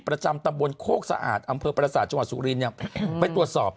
ประจำตำบลโคนคกสะอาดอพฤตชสุรินทร์ไปตรวจสอบ